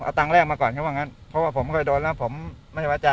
อัตรังแรกมาก่อนเขาบอกงั้นเพราะว่าผมค่อยโดนแล้วผมไม่ว่าใจ